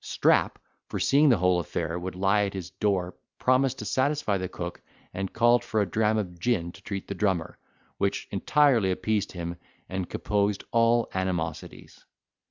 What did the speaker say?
Strap, foreseeing the whole affair would lie at his door, promised to satisfy the cook, and called for a dram of gin to treat the drummer, which entirely appeased him, and composed all animosities.